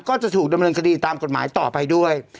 ก็จะถูกดำเนินคดีตามกฎหมายต่อไปด้วย